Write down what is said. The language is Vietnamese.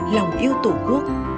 lòng yêu tổ quốc